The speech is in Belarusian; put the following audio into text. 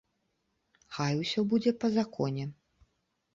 Хай усё будзе па законе.